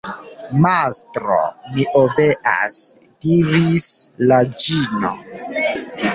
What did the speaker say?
Mastro, mi obeas, diris la ĝino.